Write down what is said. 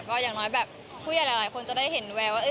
ก็อย่างน้อยแบบผู้ใหญ่หลายคนจะได้เห็นแววว่า